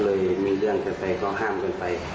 ก็เลยมีเรื่องเกิดไปเขาห้ามกันไป